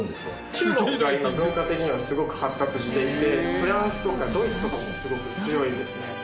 中国が今文化的にはすごく発達していてフランスとかドイツとかもすごく強いですね。